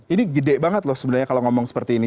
ini gede banget loh sebenarnya kalau ngomong seperti ini